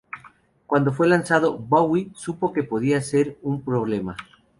Cuando fue lanzado, Bowie supo que podía ser un problema.